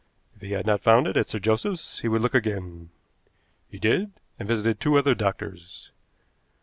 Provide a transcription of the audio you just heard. If he had not found it at Sir Joseph's he would look again. He did, and visited two other doctors.